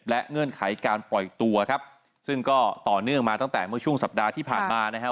และเงื่อนไขการปล่อยตัวครับซึ่งก็ต่อเนื่องมาตั้งแต่เมื่อช่วงสัปดาห์ที่ผ่านมานะฮะ